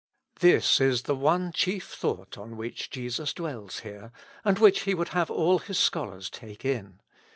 This is the one chief thought on which Jesus dwells here, and which He would have all His scholars take in.